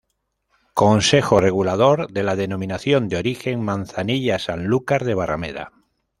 Consejo Regulador de la Denominación de Origen Manzanilla-Sanlúcar de Barrameda.